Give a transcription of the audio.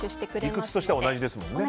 理屈としては同じですもんね。